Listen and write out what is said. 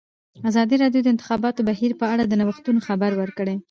ازادي راډیو د د انتخاباتو بهیر په اړه د نوښتونو خبر ورکړی.